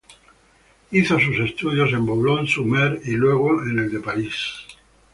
Hizo sus estudios en Boulogne-sur-Mer, y luego en el de París.